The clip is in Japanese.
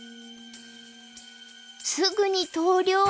すぐに投了。